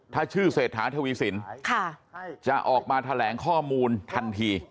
ถ้าชื่อเศรษฐาทวีสินจะออกมาแถลงข้อมูลทันที